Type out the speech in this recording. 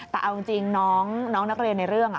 แต่เอาจริงน้องนักเรียนในเรื่อง